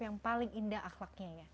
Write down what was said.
yang paling indah akhlaknya